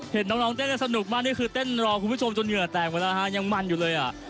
เห็นน้องเต้นกันสนุกมากนี่คือเต้นรอคุณผู้ชมจนเหงื่อแตกหมดแล้วฮะยังมั่นอยู่เลยอ่ะ